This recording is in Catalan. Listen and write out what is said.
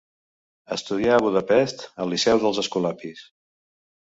Estudià a Budapest, al liceu dels escolapis.